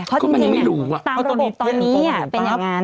เพราะจริงเนี่ยตามระบบตอนนี้เป็นอย่างนั้น